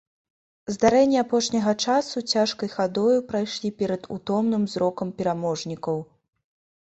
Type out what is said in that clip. Здарэнні апошняга часу цяжкай хадою прайшлі перад утомным зрокам пераможнікаў.